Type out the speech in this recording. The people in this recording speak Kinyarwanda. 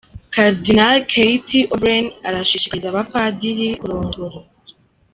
Karidinali Keith O’Brien arashishikariza abapadiri kurongora.